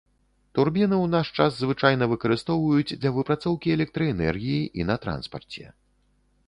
Турбіны ў наш час звычайна выкарыстоўваюць для выпрацоўкі электраэнергіі і на транспарце.